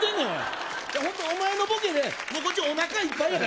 本当、お前のボケね、こっち、おなかいっぱいやから。